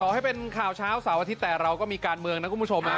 ให้เป็นข่าวเช้าเสาร์อาทิตย์แต่เราก็มีการเมืองนะคุณผู้ชม